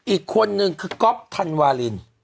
อีกคนนึงคือก๊อฟธันวาลิน